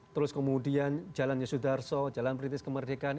terus kemudian jalan yesudarso jalan pritis kemerdekaan